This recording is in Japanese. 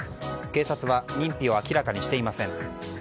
警察は認否を明らかにしていません。